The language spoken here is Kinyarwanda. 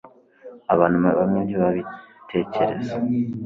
Abantu bamwe ntibabitekereza